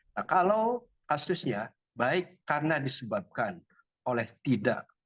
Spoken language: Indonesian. nah kalau kasusnya baik karena disebabkan oleh tidak